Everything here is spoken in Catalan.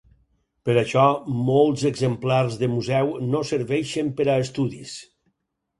Per això molts exemplars de museu no serveixen per a estudis.